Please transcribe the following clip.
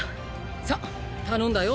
さぁ頼んだよ